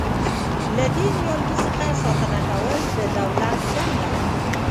له دې نیالګي څخه ساتنه کول د دولت دنده ده.